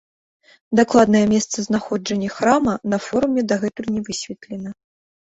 Дакладнае месцазнаходжанне храма на форуме дагэтуль не высветлена.